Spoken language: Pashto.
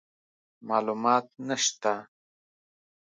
معلومات نشته،